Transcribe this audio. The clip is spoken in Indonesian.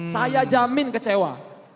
saya jamin kecewa